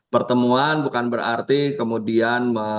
pertemuan bukan berarti kemudian